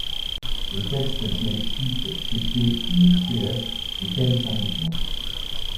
Le texte qui explique ce qu’est le CS et quelle est sa mission.